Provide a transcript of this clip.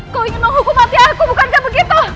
kau ingin menghukum mati aku bukan begitu